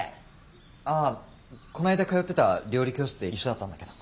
ああこないだ通ってた料理教室で一緒だったんだけど。